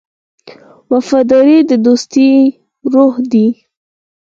وفاداري د دوستۍ روح دی.